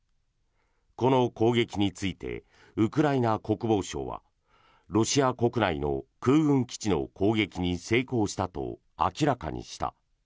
この攻撃についてウクライナ国防省はロシア国内の空軍基地の攻撃に成功したと明らかにした。